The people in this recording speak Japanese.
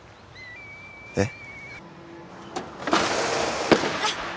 えっ？